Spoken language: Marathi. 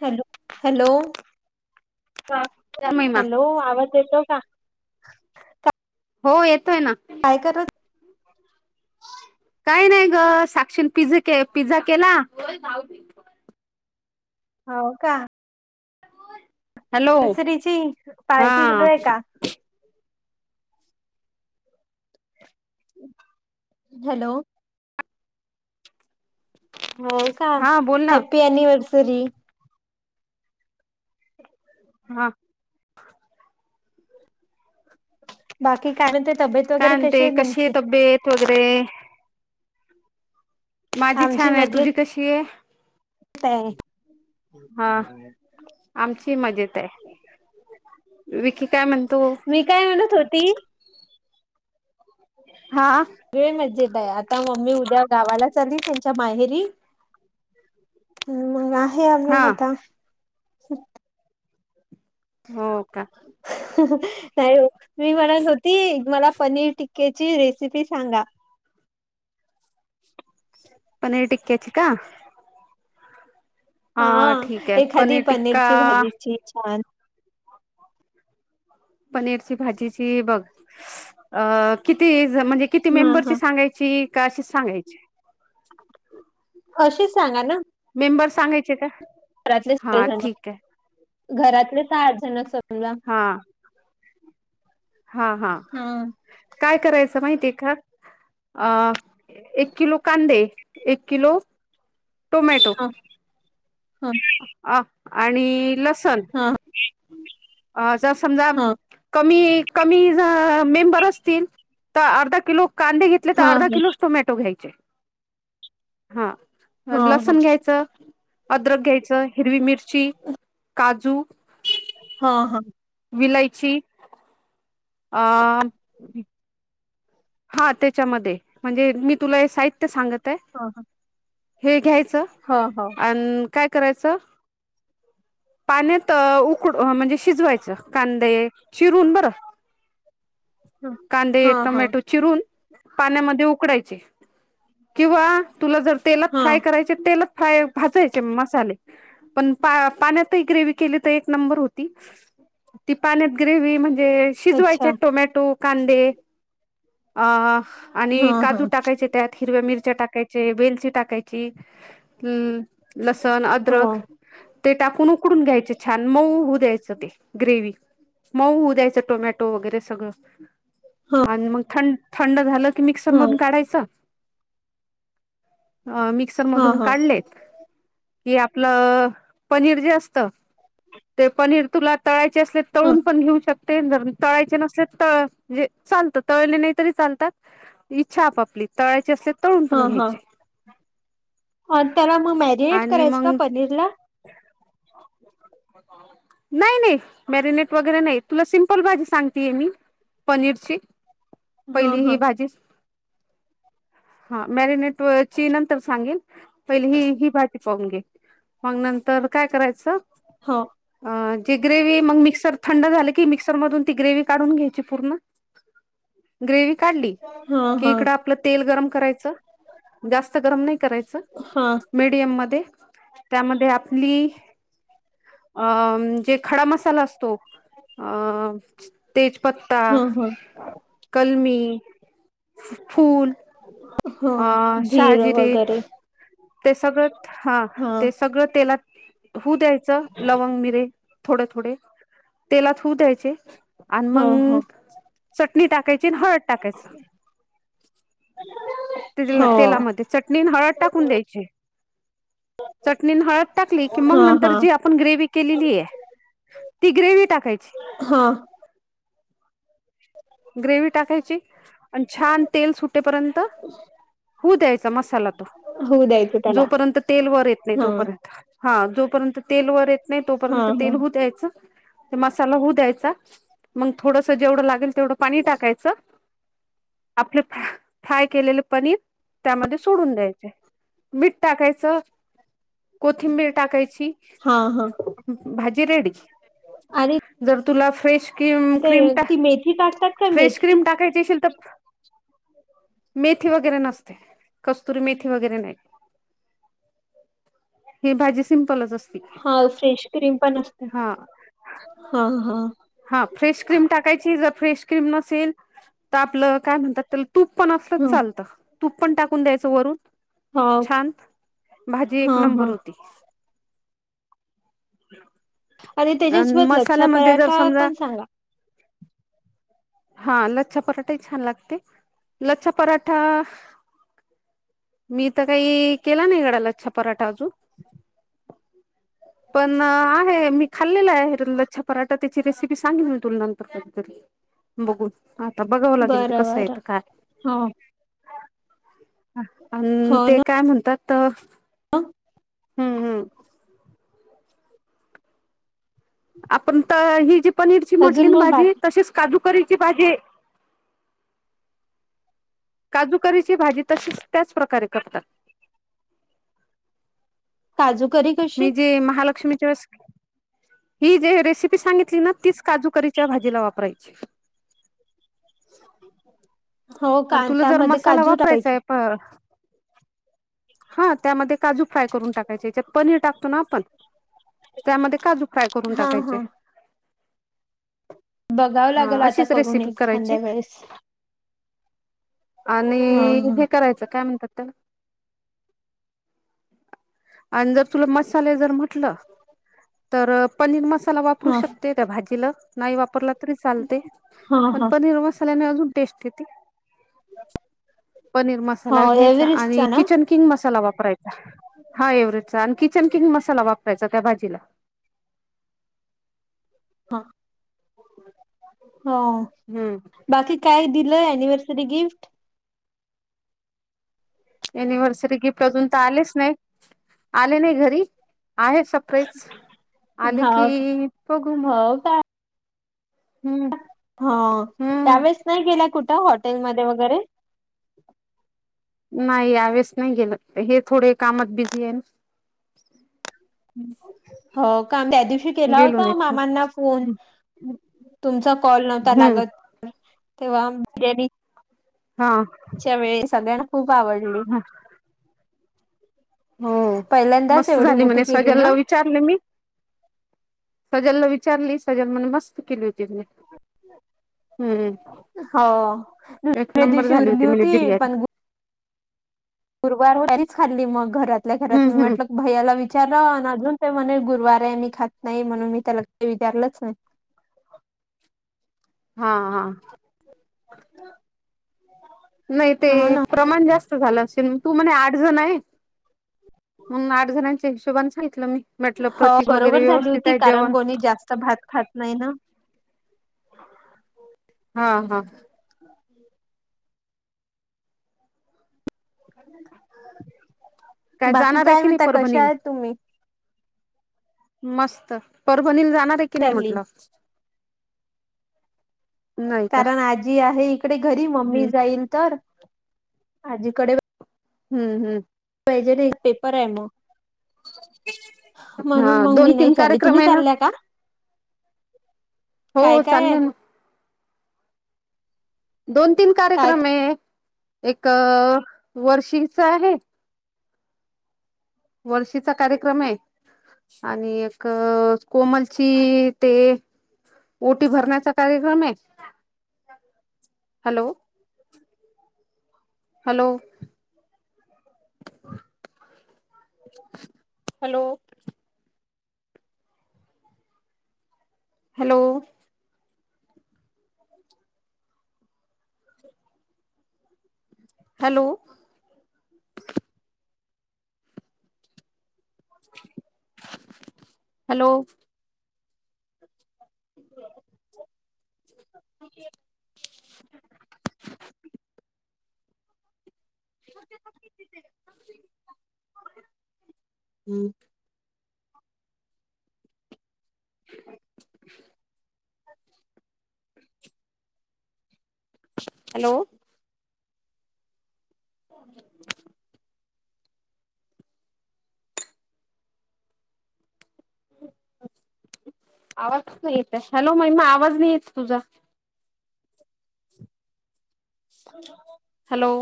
हॅलो हॅलो महिमा हॅलो आवाज येतो का हो येतोय ना काय कर काय नाही ग साक्षीन पिझ्झ के पिझ्झा केला हो का हॅलो नर्सरीची हा पार्टी सुचारू आहे का हॅलो हो का हा बोल ना हॅपी अनिव्हर्सरी हा बाकी काय म्हणते तब्येत वगैरे काय कशी म्हणते आहे तुमची तब्येत वगैरे माझी छान आहे तुझी कशी आहे ते हा आमची मजेत आहे विकी काय म्हणतो मी काय म्हणत होती हा वेळ मज्जेत आहे आता मम्मी उद्या गावाला चालली त्यांच्या माहेरी ह मग आहे आम्ही हा आता हो का नाहीय मी म्हणत होती मला पनीर टिक्केची रेसिपी सांगा पनीर टिककेची का हा ठीक आहे एखादी पनीर टिक्का पनीरची भाजीची छान पनीरची भाजीची बघ अ किती म्हणजे किती हा हा मेंबरची सांगायची का अशीच सांगायची असच सांगा ना मेंबर सांगायचे का घरातले हा जण ठीक आहे घरातलेचठ जणक समला हा [unintelligible] हा हा काय करायचं माहितीय का अ एक किलो कांदे एक किलो टोमॅटो ह अ आणि लसण हां अ ज समजा कमी कमी मेंबर असतील तर अर्धा किलो कांदे घेत तर हा अर्धा किलोच टोमॅटो घ्यायचे हा हा हा लसण घ्यायचं अद्रक घ्यायचं हिरवी मिरची काजू हा हा विलायची अ हा त्याच्यामध्ये म्हणजे मी तुला हे साहित्य सांगत आहे ह हा हे घ्यायचं हा हो आणि काय करायचं पाण्यात उकड म्हणजे शिजवायचं कांदे शिरून बरं हा कांदे हा हा टोमॅटो चिरून पाण्यामध्ये उकडायचे किंवा तुला जर तेलात हा फ्राय करायचे तेलात फ्राय भाजयचे मसाले पण पाण्यातही ग्रेव केली तर एक नंबर होती ती पाण्यात ग्रेव म्हणजे अच्छा शिजवायचे टोमॅटो कांदे अ हा आणि हा काजू टाकायचे त्यात हिरव्या मिरच्या टाकायचे वेलची टाकायची हम् लसन हो अदरक ते टाकून उकडून घ्यायचे छान मऊ होऊ द्यायचं ते ग्रेव मऊ दयचं टोमॅटो वगैरे सग हा आणि मग ं थंड झालं की मिक्सर हा मधून काढायचं अ मिक्सर हा मधून हा काढलेच कि आपलं पनीर जे असत ते पनीर तुला तळायचे असले हा तळून पण घेऊ शकते तळायचे नसले तळ म्हजे चालत तळले नाही तरी चालतात इच्छा आपापली तळायचे असते तळून हा पण हा घ्यायचे त्याला मग मॅरिनेट आणि करायस मग का पनीर ला नाही नाही मॅरिनेट वगैरे नाही तुला सिमपल भाजी सांगतेय मी पनीरची हा पहिली हा ही भाजी हा मॅरिनेट नंतर सांगल पहि ह ही भा प घे मग नंतर काय करायचं होा अ जे ग्रेववी मग मिक्सर थंड झालं की मिक्सर मधून ती ग्रेव काढून घेत का हा हा इ तेल गरम करायचं जास्त गरम नाही करायचं हा मीडियम मध्ये त्यामध्ये आपली अ जे खडा मसाला असतो अ पत्ता हा हा कलमी फूल हा अ जिर शहाजिरे वगैरे ते सगळं हा ते सगळं तेलात होऊ द्यायचं लवंग मिरे थोडे थोडे तेला होऊ द्यायचे आणि हो मग हो चटणी टाकायची आणि हळद टाकायच ह तेलामध्ये चटणी हळद टाकून द्यायची चटणीन हळद टाकली कि मग हा नंतर हा जी आपण ग्रेव केलेली आहे ती ग्रेव टाकायची हा ग्रेव टाकायची आणि छान तेल सुटेपर्यंत हो द्यायचा मसाला तो होऊदय जोपर्यंत तेल वर येत नाही तोपर्यंत हा जोपर्यंत तेल वर येत नाही हा तोपर्यंत हा तेल होत यायचं ते मसाला होऊ द्यायचा मग थोडस जेवढं लागेल तेवढं पाणी टाकायचं आपले फा फ्राय केलेले पनीर त्यामध्ये सोडून द्यायचे मीठ टाकायचं कोथिंबीर टाकायची हा हा भाज रेडी आणि तु फ्रे ती मेथी काढतात का फ्रेश मेथी क्रीम टाकायची असशीलल तर मेथी वगैरे नसते कस्तुरी मेथी वगैरे नाही ही भाजी सिंपलच असते हा फ्रेश क्रीम पण असत हा हा हा फ्रेश क्रीम टाकायची जर फ्रेश क्रीम नसेल तर आपलं काय म्हणतात तूप पण असलंच ह चालतं तूप पण टाकून द्यायचं वरून हा छान भाजी एक हा नंबर हा होती आणि त्याच्यासोबत लच्छा मसाल्यामध्ये जर पराठा समजा पण सांगा हा लच्छ पराठाही छान लागते लच्छ पराठा मी तर काही केला नाही गडालच्छ पराठा अजून पण आहे मी खाल्लेलं आहे लछ पराठा त्याची रेसिपी सांगे मी तुलनांप कतरी बघून आता बघावं लागेल ते बरं कसं बरं येतं काय हो आणि ते काय म्हणतात तर हं हम्म हम् आपण तर ही जी पनीरची म्हटली अजून ना मग माझी बाकी तशीच काजूकरीची भाजी काजूकरीची भाजी तशीच त्याच प्रकारे करतात काजूकरी मी जे महालक्ष्मीच्या ही जे रेसिपी सांगितली ना तीच काजूकरीच्या भाजीला वापरायची ठीक अ तुला जर मसाला वापरायचाय प हा त्यामध्ये काजू फ्राय करून टाकायचे याच्यात पनीर टाकतो ना आपण त्यामध्ये काजू फ्राय करून हा टाकायचे हा बघावं हा लागेल आता अशीच करून रेसिपी एक करायची खांद्या वेळेस आणि हा हा हे करायचं काय म्हणतात ते आणि जर तुला मसाले जर म्हटलं तर पनीर मसाला वापरू हा शकते त्या भाजीला नाही वापरला तरी चालते हा पण हा पनीर मसाल्याने अजून टेस्ट येते पनीर हो मसाला घ्यायचा आणि एव्हरेस्टचा ना किचन किंग मसाला वापरायचा हा एवेचा आणि किचन किंग मसाला वापरायचा त्या भाजीला हा हा हम्म बाकी काय दिलं अनिव्हर्सरी गिफ्ट एनिव्हर्सरी गिफ्ट अजून तर आलेच नाही आले नाही घरी आहे स ेच आले हो की बघू मग हो का हम्म ह हम्म त्यावेेळेस नाही गेला कुठं, हॉटेलमध्ये वगैरे? नाही यावेळेस नाही गेलं. हे थोडे कामात बिझी आहे ना. हम्म. हो, काम त्या दिवशी केला होता मामांना फोन. तुमचा कॉल नव्हता हम्म लागत, तेव्हा बिर्याणी हा. च्या वेळी सगळ्यांना खूप आवडली. ह हो पहिल्यांदाच मस्त एवढी झाली मोठी म्हणे, केली ना सगळ्याला विचारलं मी. सगळ्यांना विचारली सगळे म्हणे मस्त केली होती ती. हम्म. हो एक दुसऱ्या नंबर दिवशी झाली उरली होती म्हणे बिर्याणी. गुरवारारीच खाल्ली मग, घरातल्या घरात मी हम्म हम्म म्हटलं भैयाला विचार आणि अजून ते म्हणे गुरुवार आहे मी खात नाही. म्हणून मी त्याला काही विचारलंच नाही. हा हा. अ नाही ते प्रमाण जास्त झालं असेल, तू म्हणे आठ जण आहे म्हणून आठ जणांच्या हिशोबान सांगितलं मी. म्हटलं हो प्रतीक वगैरे बरोबर झाली व्यवस्थित होती, आहे कारण जेवण कोणी जास्त भात खात नाही ना. हा हा. ह ह बाकी जाणार आहे काय की नाही म्हणता, कशा परभणीला आहेत तुम्ही? मस्त. परभणील जाणार आहे की नाही चालली म्हटलं. नाही का कारण आजी आहे, इकडे घरी मम्मी हम्म जाईल तर. आजीकडे हम्म हम्म. पाहिजे ना, एक पेपर आहे मग. म्हणून हा मग दोन मी नाही तीन चालली, कार्यक्रम तुम्ही आहे ना चालल्या का? हो काय काय चालले हाय? ना दोन तीन काय कार्यक्रम आहे, एक वर्षींचा आहे वर्षीचा कार्यक्रम आहे. आणि एक कोमलची ते ओटी भरण्याचा कार्यक्रम आहे. Hello. Hello. Hello. Hello. Hello. Hello. हं. हॅलो. आवाज कसं येत आहे, हॅलो महिमा आवाज नाही येत तुझा. हॅलो.